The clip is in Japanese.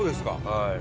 はい。